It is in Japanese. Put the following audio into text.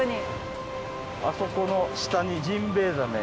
あそこの下にジンベエザメ。